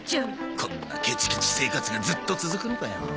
こんなケチケチ生活がずっと続くのかよ。